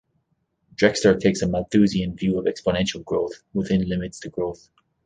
Drexler takes a Malthusian view of exponential growth within limits to growth.